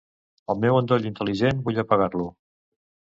El meu endoll intel·ligent vull apagar-lo.